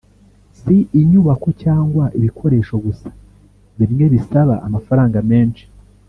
si inyubako cyangwa ibikoresho gusa bimwe bisaba amafaranga menshi